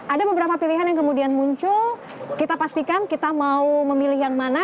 ada beberapa pilihan yang kemudian muncul kita pastikan kita mau memilih yang mana